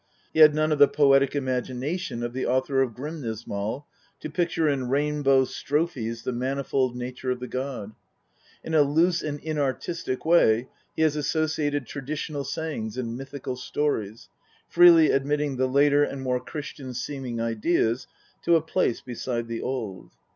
He had none of the poetic imagination of the author of Grimnismal, to picture in rainbow strophes the manifold nature of the god. In a loose and inartistic way he has associated traditional sayings and mythical stories, freely admitting the later and more Christian seeming ideas to a place beside the old.